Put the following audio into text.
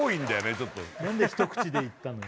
ちょっと何で一口でいったの？